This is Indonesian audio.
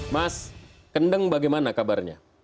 mas kendeng bagaimana kabarnya